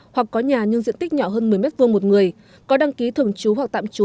hoặc có nhà nhưng diện tích nhỏ hơn một mươi m hai một người có đăng ký thường trú hoặc tạm trú